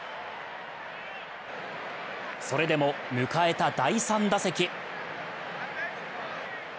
それでも迎えた第３打席。